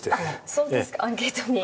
そうですかアンケートに。